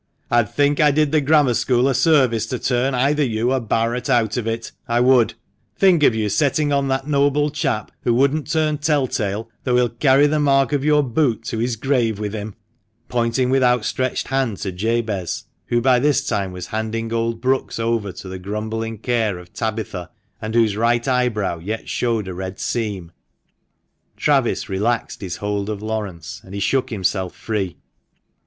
" I'd think I did the Grammar School a service to turn either you or Barret out of it, I would ! Think of you setting on that noble chap who wouldn't turn tell tale, though he'll carry the mark of your boot to his grave with him !" Pointing with outstretched hand to Jabez, who, by this time, was handing old Brookes over to the grumbling care of Tabitha, and whose right eyebrow yet showed a red seam, Travis relaxed his hold of Laurence, and he shook himself free.